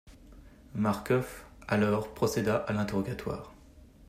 Marcof alors procéda à l'interrogatoire.